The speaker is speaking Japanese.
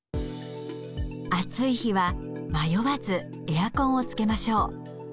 暑い日は迷わずエアコンをつけましょう。